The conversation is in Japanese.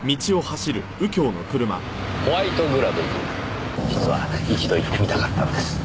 ホワイトグラブズ実は一度行ってみたかったんです。